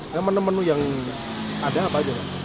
dan menu menu yang ada apa aja mas